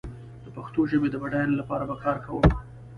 د پښتو ژبې د بډايينې لپاره به کار کوم